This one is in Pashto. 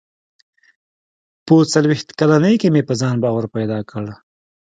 • په څلوېښت کلنۍ کې مې په ځان باور پیدا کړ.